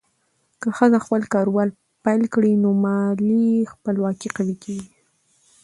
که ښځه خپل کاروبار پیل کړي، نو مالي خپلواکي قوي کېږي.